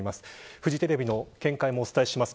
フジテレビの見解もお伝えします。